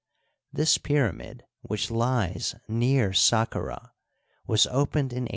This pyramid, which lies near Saqqarah, was opened in 1881.